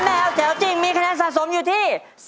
แนวแถวจริงมีคะแนนสะสมอยู่ที่